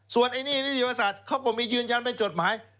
ส่วนนี่เชียวสัตว์เขาก็มียืนยันไปจดหมาย